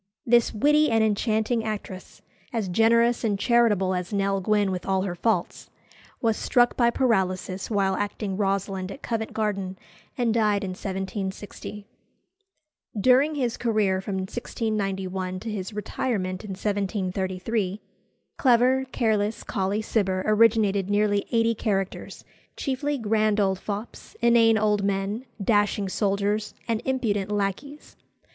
This witty and enchanting actress, as generous and charitable as Nell Gwynn with all her faults, was struck by paralysis while acting Rosalind at Covent Garden, and died in 1760. During his career from 1691 to his retirement in 1733, clever, careless Colley Cibber originated nearly eighty characters, chiefly grand old fops, inane old men, dashing soldiers, and impudent lacqueys.